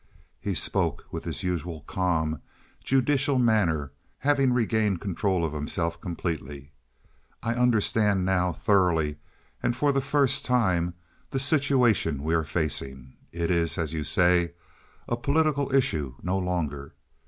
He spoke with his usual calm, judicial manner, having regained control of himself completely. "I understand now, thoroughly, and for the first time, the situation we are facing. It is, as you say, a political issue no longer.